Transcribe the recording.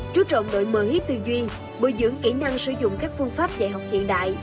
chú trọng đội mở hiếp tư duy bồi dưỡng kỹ năng sử dụng các phương pháp dạy học hiện đại